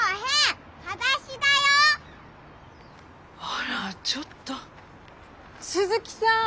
あらちょっと鈴木さん。